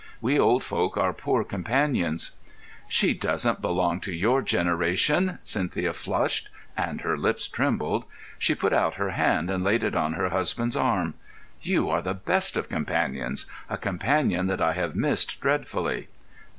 We old folk are poor companions." "She doesn't belong to your generation." Cynthia flushed, and her lips trembled. She put out her hand and laid it on her husband's arm. "You are the best of companions—a companion that I have missed dreadfully."